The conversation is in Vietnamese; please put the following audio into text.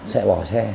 sẽ bỏ xe